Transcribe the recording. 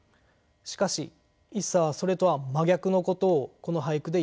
しかし一茶はそれとは真逆のことをこの俳句で言っています。